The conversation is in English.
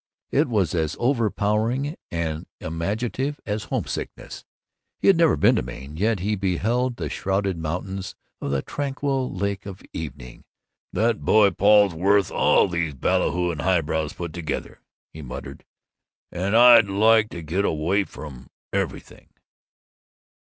It was as overpowering and imaginative as homesickness. He had never seen Maine, yet he beheld the shrouded mountains, the tranquil lake of evening. "That boy Paul's worth all these ballyhooing highbrows put together," he muttered; and, "I'd like to get away from everything."